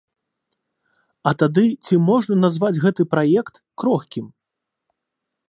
А тады, ці можна назваць гэты праект крохкім?